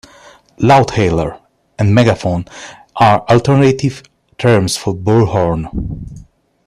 Loudhailer and megaphone are alternative terms for bullhorn